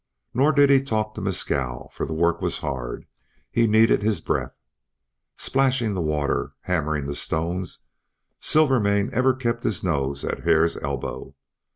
Nor did he talk to Mescal, for the work was hard, and he needed his breath. Splashing the water, hammering the stones, Silvermane ever kept his nose at Hare's elbow.